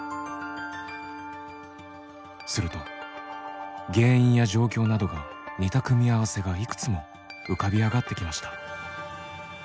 すると原因や状況などが似た組み合わせがいくつも浮かび上がってきました。